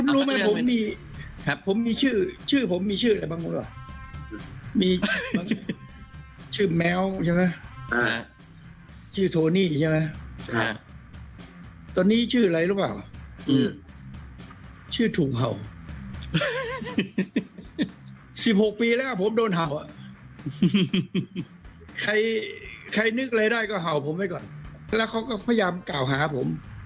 แล้วเขาก็พยายามกล่าวหาผม